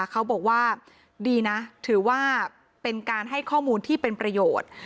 เขาบอกว่าดีนะถือว่าเป็นการให้ข้อมูลที่เป็นประโยชน์